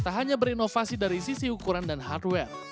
tak hanya berinovasi dari sisi ukuran dan hardware